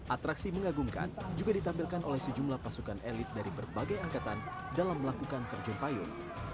atraksi mengagumkan juga ditampilkan oleh sejumlah pasukan elit dari berbagai angkatan dalam melakukan terjun payung